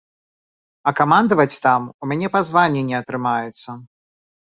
А камандаваць там у мяне па званні не атрымаецца.